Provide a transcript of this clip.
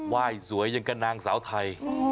สวยอย่างกับนางสาวไทย